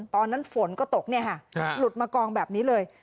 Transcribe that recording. ตอนนั้นฝนก็ตกหลุดมากองแบบนี้เลย